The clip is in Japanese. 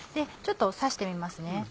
ちょっと刺してみますね